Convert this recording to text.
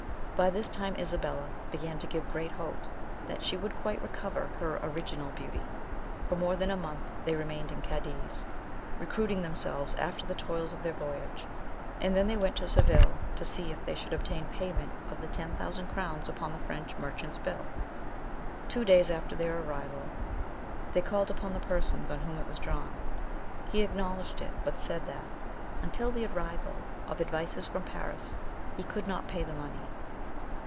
By this time Isabella began to give great hopes that she would quite recover her original beauty. For more than a month they remained in Cadiz, recruiting themselves after the toils of their voyage; and then they went to Seville, to see if they should obtain payment of the ten thousand crowns upon the French merchant's bill. Two days after their arrival they called upon the person on whom it was drawn. He acknowledged it, but said that, until the arrival of advices from Paris, he could not pay the money.